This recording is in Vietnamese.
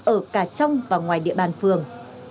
ở cả trong và ngoài địa bàn phường